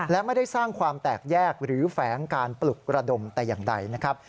และไม่ได้สร้างความแตกแยกหรือแฝงการปลุกระดมแต่อย่างใดนะครับ